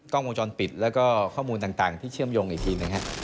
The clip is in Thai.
กล้องมงจรปิดและข้อมูลต่างที่เชื่อมยงอีกที